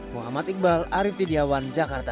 muhammad iqbal arief tidiawan jakarta